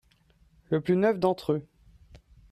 Le plus neuf d'entre eux.